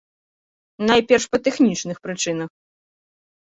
Найперш па тэхнічных прычынах.